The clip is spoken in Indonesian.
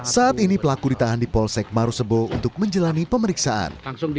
saat ini pelaku ditahan di polsek marosebo untuk menjalani pemeriksaan